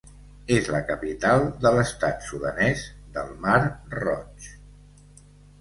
És la capital de l'estat sudanès del Mar Roig.